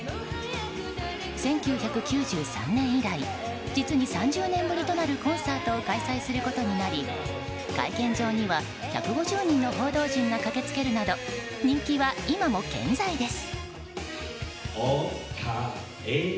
１９９３年以来実に３０年ぶりとなるコンサートを開催することになり会見場には１５０人の報道陣が駆けつけるなど人気は今も健在です。